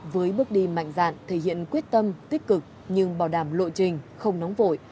với bước đi mạnh dạn thể hiện quyết tâm tích cực nhưng bảo đảm lộ trình không nóng vội